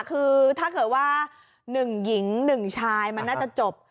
คือถ้าเกิดว่า๑หญิง๑ชายมันน่าจะจบ